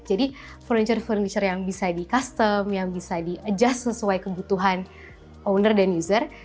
jadi furniture furniture yang bisa di custom yang bisa di adjust sesuai kebutuhan owner dan user